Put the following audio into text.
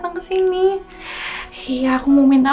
ya aku izin masuk ya nanti